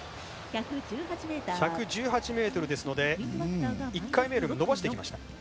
１１８ｍですので１回目よりも伸ばしてきました。